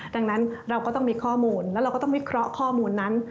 ดังนั้นเราก็ต้องมีข้อมูลแล้วเราก็ต้องวิเคราะห์ข้อมูลนั้น